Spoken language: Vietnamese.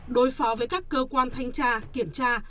đối phó với các cơ quan thanh tra kiểm tra